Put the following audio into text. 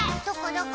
どこ？